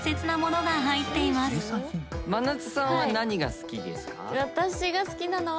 真夏さんは何が好きですか？